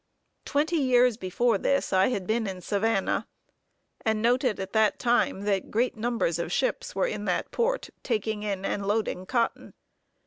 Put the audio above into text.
Twenty years before this I had been in Savannah, and noted at that time that great numbers of ships were in that port, taking in and loading cotton.